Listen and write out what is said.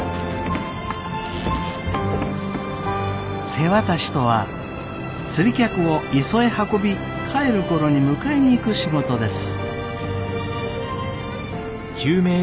瀬渡しとは釣り客を磯へ運び帰る頃に迎えに行く仕事です。